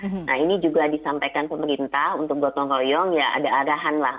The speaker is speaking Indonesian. nah ini juga disampaikan pemerintah untuk gotong royong ya ada arahan lah